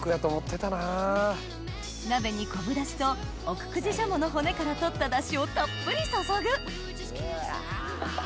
鍋に昆布ダシと奥久慈しゃもの骨から取ったダシをたっぷり注ぐうわ！